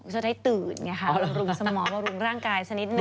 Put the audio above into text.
จะได้ตื่นไงค่ะบำรุงสมองบำรุงร่างกายสักนิดนึ